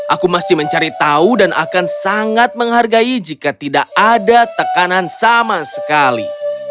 aku masih mencari tahu dan akan sangat menghargai jika tidak ada tekanan sama sekali